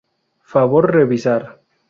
Favor revisar.